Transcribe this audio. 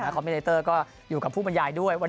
คอมเมเนเตอร์ก็อยู่กับผู้บรรยายด้วย